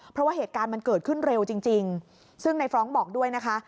เพราะว่าเหตุการณ์มันเกิดขึ้นเร็วจริงซึ่งในฟรองก์บอกด้วยนะคะ